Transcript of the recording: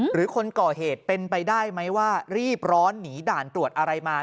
หรือคนก่อเหตุเป็นไปได้ไหมว่ารีบร้อนหนีด่านตรวจอะไรมา